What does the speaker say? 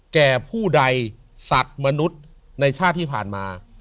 แก่ผู้ใดสัตว์มนุษย์ในชาติที่ผ่านมา